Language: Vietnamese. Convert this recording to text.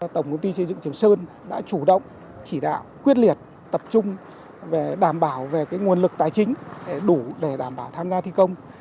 tổng công ty xây dựng trường sơn đã chủ động chỉ đạo quyết liệt tập trung đảm bảo về nguồn lực tài chính đủ để đảm bảo tham gia thi công